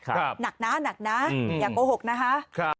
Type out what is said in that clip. ครับหนักนะหนักนะอย่าโกหกนะคะครับ